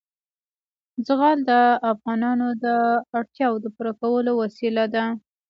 زغال د افغانانو د اړتیاوو د پوره کولو وسیله ده.